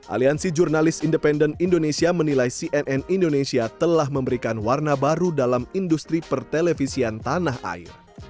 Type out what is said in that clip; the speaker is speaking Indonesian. aliansi jurnalis independen indonesia menilai cnn indonesia telah memberikan warna baru dalam industri pertelevisian tanah air